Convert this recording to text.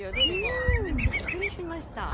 うん！びっくりしました。